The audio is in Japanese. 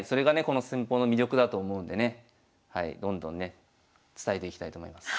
この戦法の魅力だと思うんでねどんどんね伝えていきたいと思います。